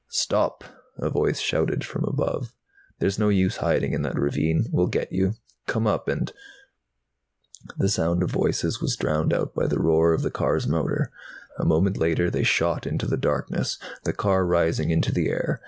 "Stop!" a voice shouted from above. "There's no use hiding in that ravine. We'll get you! Come up and " The sound of voices was drowned out by the roar of the car's motor. A moment later they shot into the darkness, the car rising into the air.